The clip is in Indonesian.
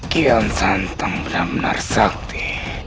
kian santang benar benar sakti